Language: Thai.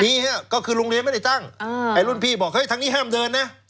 มีฮะก็คือโรงเรียนไม่ได้ตั้งไอ้รุ่นพี่บอกเฮ้ยทางนี้ห้ามเดินนะ